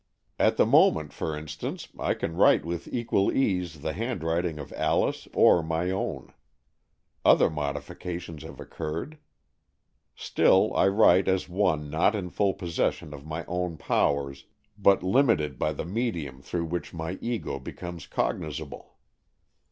At the moment, for instance, I can write with equal ease the handwriting of Alice or my own. Other modifications have occurred. Still I write as one not in full possession of my own powers, but limited by the medium through w'hich my Ego becomes cognizable.